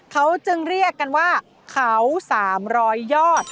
เขาจึงเรียกกันว่าเขา๓๐๐ยอด